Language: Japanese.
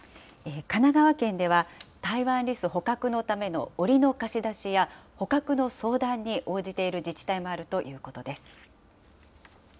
神奈川県では、タイワンリス捕獲のためのおりの貸し出しや、捕獲の相談に応じている自治体もあるということです。